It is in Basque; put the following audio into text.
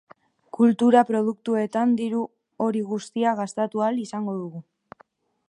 Kultura produktuetan diru hori guztia gastatu ahal izango dugu.